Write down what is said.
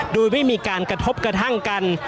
โดยไม่มีการกระทบกระทั่งกัน